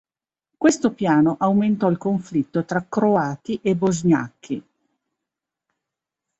Questo piano aumentò il conflitto tra croati e bosgnacchi.